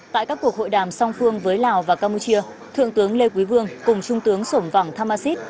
tại các cuộc hội đàm song phương với lào và campuchia thượng tướng lê quý vương cùng trung tướng sổng vẳng tham asit